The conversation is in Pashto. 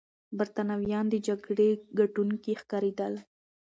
برتانويان د جګړې ګټونکي ښکارېدل.